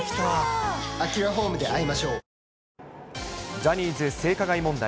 ジャニーズ性加害問題。